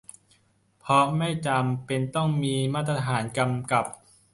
เพราะไม่จำเป็นต้องมีมาตรฐานกำกับ